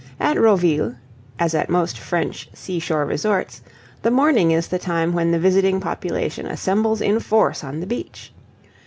At Roville, as at most French seashore resorts, the morning is the time when the visiting population assembles in force on the beach.